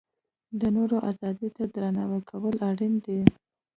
د نورو ازادۍ ته درناوی کول اړین دي.